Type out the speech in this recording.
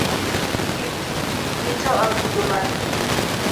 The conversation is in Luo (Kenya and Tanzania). Kik ito agulu mar pi